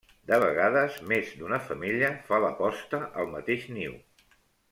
De vegades més d'una femella fa la posta al mateix niu.